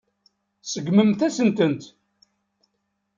Seggment-asen-tent.